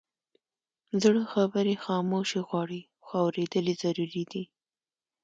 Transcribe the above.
زړه خبرې خاموشي غواړي، خو اورېدل یې ضروري دي.